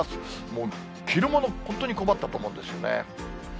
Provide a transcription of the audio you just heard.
もう、着るもの、本当に困ったと思うんですよね。